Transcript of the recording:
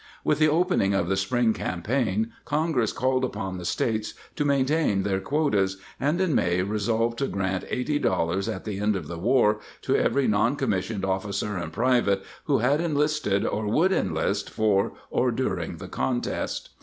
^ With the opening of the spring campaign Con gress called upon the States to maintain their quotas,® and in May resolved to grant $80 at the end of the war to every non commissioned officer and private who had enlisted or would enlist for or during the contest.